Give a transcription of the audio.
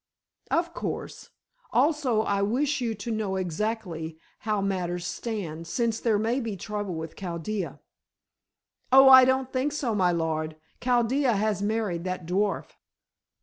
"Of course. Also I wish you to know exactly how matters stand, since there may be trouble with Chaldea." "Oh, I don't think so, my lord. Chaldea has married that dwarf."